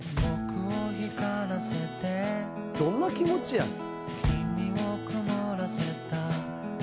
「どんな気持ちやねん」